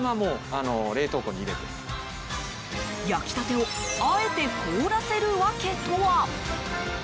焼きたてをあえて凍らせる訳とは？